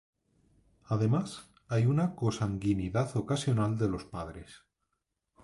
Además, hay una consanguinidad ocasional de los padres.